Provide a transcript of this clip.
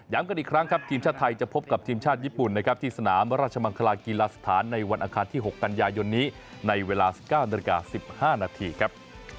กันอีกครั้งครับทีมชาติไทยจะพบกับทีมชาติญี่ปุ่นนะครับที่สนามราชมังคลากีฬาสถานในวันอังคารที่๖กันยายนนี้ในเวลา๑๙นาฬิกา๑๕นาทีครับ